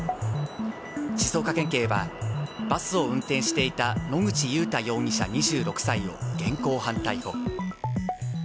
静岡県警は、バスを運転していた野口祐太容疑者２６歳を現行犯逮捕。